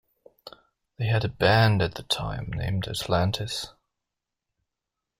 They had a band at the time named "Atlantis".